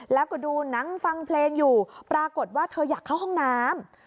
แล้วก็ดูหนังฟังเพลงอยู่ปรากฏว่าเธออยากเข้าห้องน้ำ